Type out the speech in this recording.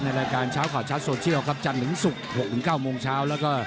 ในรายการเช้าข่าวชัดโซเชียลจันทร์๑สุก๖๙โมงเช้า